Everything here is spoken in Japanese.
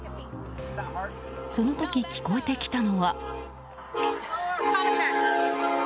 その時、聞こえてきたのは。